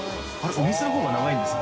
お店の方が長いんですか？